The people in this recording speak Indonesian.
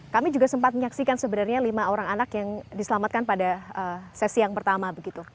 kami juga sempat menyaksikan sebenarnya lima orang anak yang diselamatkan pada sesi yang pertama